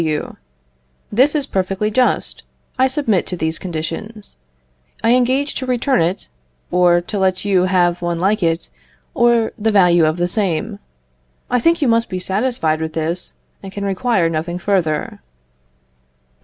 W. This is perfectly just. I submit to these conditions. I engage to return it, or to let you have one like it, or the value of the same. I think you must be satisfied with this, and can require nothing further.